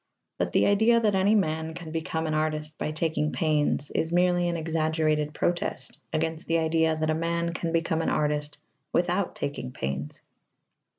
But the idea that any man can become an artist by taking pains is merely an exaggerated protest against the idea that a man can become an artist without taking pains.